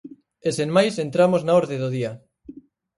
E sen máis entramos na orde do día.